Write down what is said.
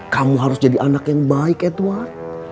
kamu harus jadi anak yang baik edward